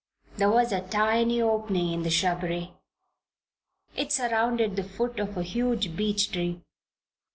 There was a tiny opening in the shrubbery. It surrounded the foot of a huge beech tree.